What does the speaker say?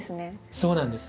そうなんです。